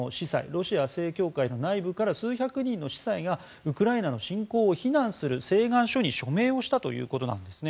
ロシア正教会の内部から数百人の司祭がウクライナの侵攻を非難する請願書に署名をしたということです。